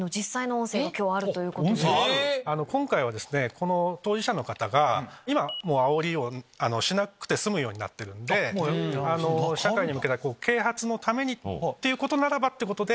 今回はこの当事者の方が今はあおりをしなくても済むようになってるんで社会に向けた啓発のためにっていうことならばってことで。